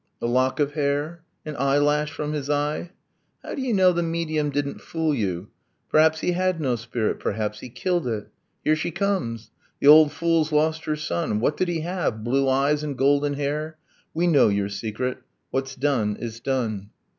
A lock of hair? An eyelash from his eye? How do you know the medium didn't fool you? Perhaps he had no spirit perhaps he killed it. Here she comes! the old fool's lost her son. What did he have blue eyes and golden hair? We know your secret! what's done is done.